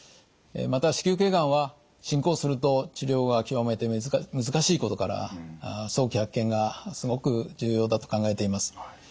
また子宮頸がんは進行すると治療が極めて難しいことから早期発見がすごく重要だと考えています。